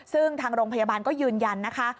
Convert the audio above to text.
ซึ่งทางโรงพยาบาลก็ยืนยันนะคะ